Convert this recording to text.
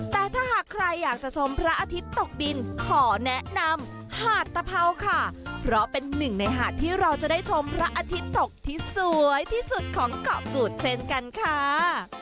แต่ถ้าหากใครอยากจะชมพระอาทิตย์ตกดินขอแนะนำหาดตะเผาค่ะเพราะเป็นหนึ่งในหาดที่เราจะได้ชมพระอาทิตย์ตกที่สวยที่สุดของเกาะกูดเช่นกันค่ะ